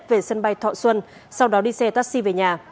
về sân bay thọ xuân sau đó đi xe taxi về nhà